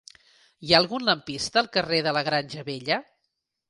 Hi ha algun lampista al carrer de la Granja Vella?